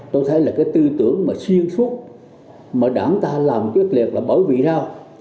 tôi thấy là cái tư tưởng mà xuyên suốt mà đảng ta làm quyết liệt là bởi vì sao